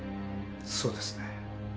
そうですね。